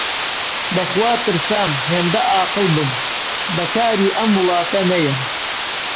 بە خوا ترسام هێندە عاقڵ بم، بە کاری ئەم وڵاتە نەیەم!